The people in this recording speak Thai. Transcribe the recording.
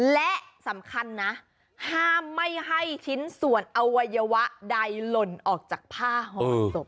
และสำคัญนะห้ามไม่ให้ชิ้นส่วนอวัยวะใดหล่นออกจากผ้าห่อศพ